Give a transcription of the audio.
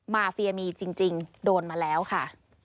มาเฟียมีจริงโดนมาแล้วค่ะ